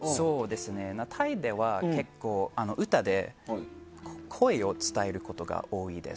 タイでは結構歌で好意を伝えることが多いです。